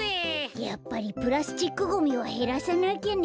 やっぱりプラスチックゴミはへらさなきゃね。